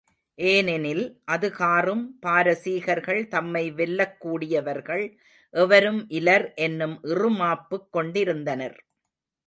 ஏனெனில், அதுகாறும் பாரசீகர்கள் தம்மை வெல்லக் கூடியவர்கள் எவரும் இலர் என்னும் இறுமாப்புக் கொண்டிருந்தனர்.